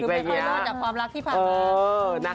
คือไม่ค่อยรอดจากความรักที่ผ่านมา